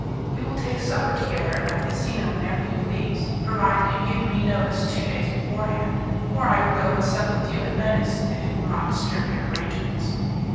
"We will take supper together at my casino whenever you please, provided you give me notice two days beforehand; or I will go and sup with you in Venice, if it will not disturb your arrangements."